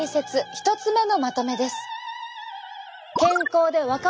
１つ目のまとめです。